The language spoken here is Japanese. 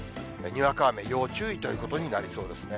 にわか雨要注意ということになりそうですね。